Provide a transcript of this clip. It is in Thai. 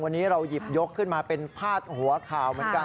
วันนี้เราหยิบยกขึ้นมาเป็นพาดหัวข่าวเหมือนกัน